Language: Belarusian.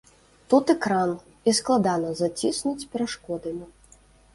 Тут экран, і складана заціснуць перашкодамі.